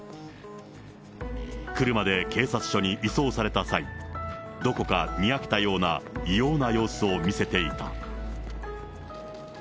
車で警察署に移送された際、どこかにやけたような、異様な様子を見せていた。